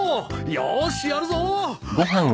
よーしやるぞ！